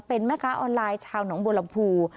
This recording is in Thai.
เป็นแม่ก้าออนไลน์ชาวหนังบูรพู